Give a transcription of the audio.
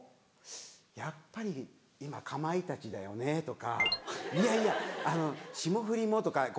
「やっぱり今かまいたちだよね」とか「いやいや霜降りも」とか。